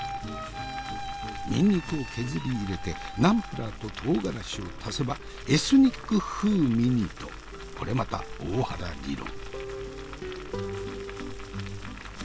ニンニクを削り入れてナンプラーと唐辛子を足せばエスニック風味にとこれまた大原理論。